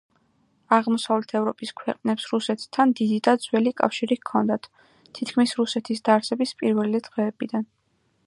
აღმოსავლეთ ევროპის ქვეყნებს რუსეთთან დიდი და ძველი კავშირი ჰქონდათ, თითქმის რუსეთის დაარსების პირველივე დღეებიდან.